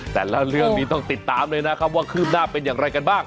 แต่ละเรื่องนี้ต้องติดตามเลยนะครับว่าคืบหน้าเป็นอย่างไรกันบ้าง